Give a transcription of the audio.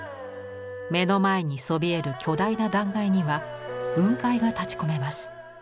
目の前にそびえる巨大な断崖には雲海が立ちこめます。